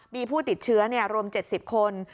มีผู้ติดเชื้อรวม๗๐คน